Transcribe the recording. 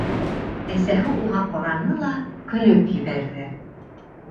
Әсәһе уға ҡараны ла көлөп ебәрҙе.